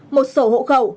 một sổ hộ khẩu